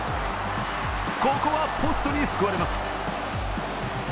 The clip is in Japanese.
ここはポストに救われます。